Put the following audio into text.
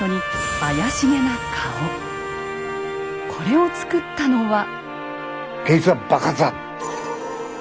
これをつくったのは。